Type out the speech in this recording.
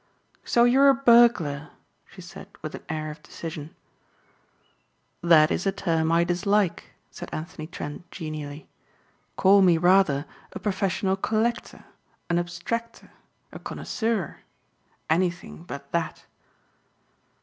"So you're a burglar!" she said with an air of decision. "That is a term I dislike," said Anthony Trent genially. "Call me rather a professional collector, an abstractor, a connoisseur anything but that."